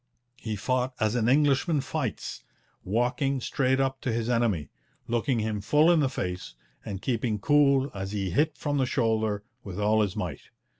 He fought as an Englishman fights: walking straight up to his enemy, looking him full in the face, and keeping cool as he hit from the shoulder with all his might.